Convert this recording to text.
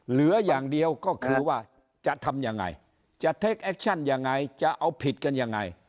เหลืออย่างเดียวก็คือว่าจะทำยังไงจะเทคแอคชั่นยังไงจะเอาผิดกันยังไง